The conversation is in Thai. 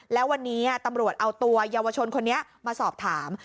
แล้ววันนี้ตำรวจเอาตัวเยาวชนคนนี้มาสอบถาม